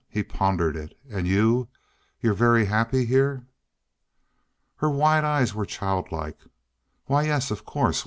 He pondered it. "And you you're very happy here?" Her wide eyes were childlike. "Why yes. Of course.